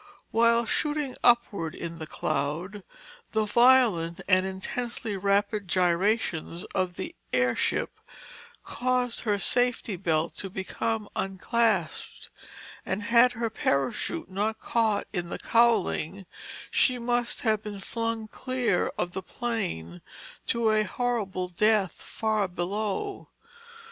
While shooting upward in the cloud, the violent and intensely rapid gyrations of the airship caused her safety belt to become unclasped, and had her parachute not caught in the cowling, she must have been flung clear of the plane to a horrible death far below.